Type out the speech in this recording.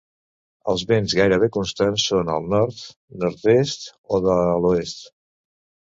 Els vents gairebé constants són el nord, nord-est, o de l'oest.